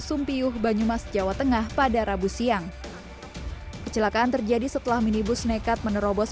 sumpiyuh banyumas jawa tengah pada rabu siang kecelakaan terjadi setelah minibus nekat menerobos